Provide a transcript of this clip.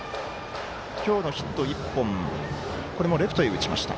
今日のヒット１本これもレフトへ打ちました。